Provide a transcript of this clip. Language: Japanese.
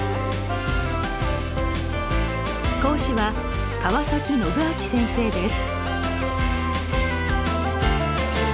講師は川宣昭先生です。